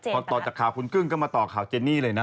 ต่อจากข่าวคุณกึ้งก็มาต่อข่าวเจนี่เลยนะ